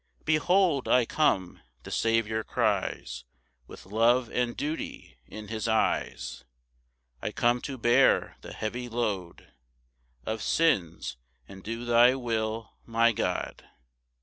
4 "Behold, I come," (the Saviour cries, With love and duty in his eyes) "I come to bear the heavy load "Of sins, and do thy will, my God.